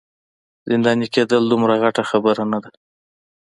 زنداني کیدل دومره غټه خبره نه ده.